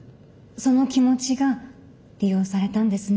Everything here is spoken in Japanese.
その気持ちが利用されたんですね。